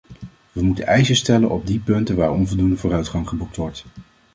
We moeten eisen stellen op die punten waar onvoldoende vooruitgang geboekt wordt.